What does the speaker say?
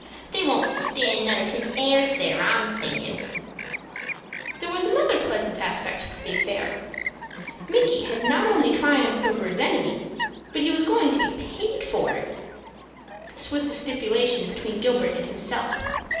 They won't stand none of his airs there, I'm thinkin'." There was another pleasant aspect to the affair. Micky had not only triumphed over his enemy, but he was going to be paid for it. This was the stipulation between Gilbert and himself.